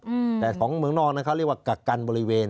อืมแต่ของเมืองนอกนั้นเขาเรียกว่ากักกันบริเวณ